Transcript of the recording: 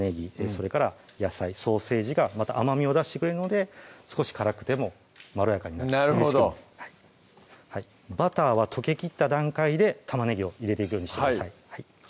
それから野菜・ソーセージがまた甘みを出してくれるので少し辛くてもまろやかになるなるほどバターは溶けきった段階で玉ねぎを入れていくようにしてください